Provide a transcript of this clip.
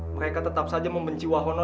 mereka tetap saja membenci wahono